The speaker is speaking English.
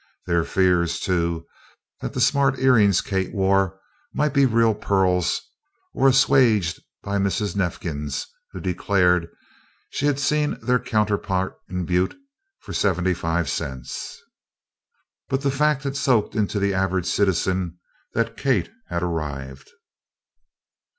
Their fears, too, that the smart ear rings Kate wore might be real pearls were assuaged by Mrs. Neifkins, who declared she had seen their counterpart in Butte for seventy five cents. But the fact had soaked into the average citizen that Kate had "arrived."